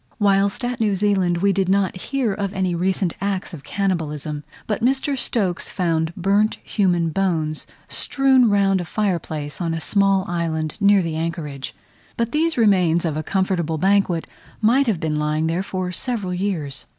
Whilst at New Zealand we did not hear of any recent acts of cannibalism; but Mr. Stokes found burnt human bones strewed round a fire place on a small island near the anchorage; but these remains of a comfortable banquet might have been lying there for several years.